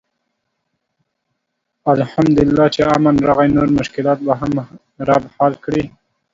الحمدالله چې امن راغی، نور مشکلات به هم رب حل کړي.